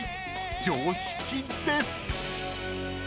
［常識です］